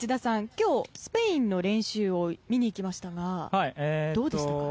今日、スペインの練習を見ましたがどうでしたか？